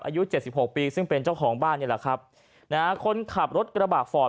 อายุเจ็ดสิบหกปีซึ่งเป็นเจ้าของบ้านนี่แหละครับนะฮะคนขับรถกระบะฟอร์ด